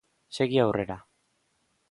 Segi aurrera.